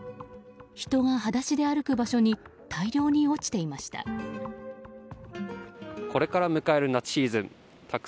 人が裸足で歩く場所に大量に落ちていました。